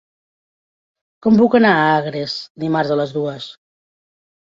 Com puc anar a Agres dimarts a les dues?